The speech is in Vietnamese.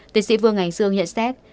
tỉ sĩ vương ánh vương nhận xét